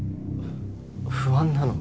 不安なの？